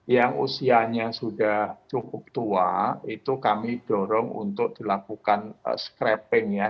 yang usianya sudah cukup tua itu kami dorong untuk dilakukan scrapping ya